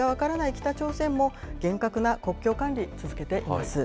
北朝鮮も、厳格な国境管理、続けています。